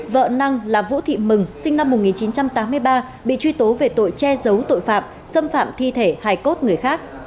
vợ năng là vũ thị mừng sinh năm một nghìn chín trăm tám mươi ba bị truy tố về tội che giấu tội phạm xâm phạm thi thể hai cốt người khác